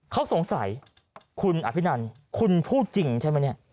เขาสงสัยคุณอภินันทร์คุณพูดจริงใช่มั้ย